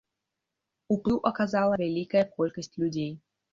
Уплыў аказала вялікая колькасць людзей.